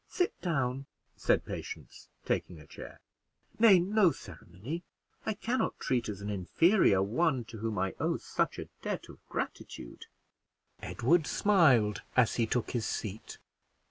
"Sit down," said Patience, taking a chair; "nay, no ceremony; I can not treat as an inferior one to whom I owe such a debt of gratitude." Edward smiled as he took his seat.